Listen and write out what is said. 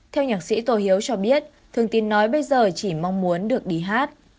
theo nhạc sĩ tô hiếu cho biết thương tín nói bây giờ chỉ mong muốn được đi hát